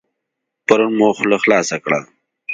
پرون مو خوله خلاصه کړه.